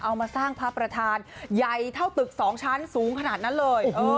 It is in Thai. เอามาสร้างพระประธานใหญ่เท่าตึก๒ชั้นสูงขนาดนั้นเลย